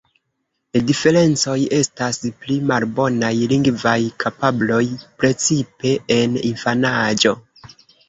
Diferencoj estas pli malbonaj lingvaj kapabloj, precipe en infanaĝo.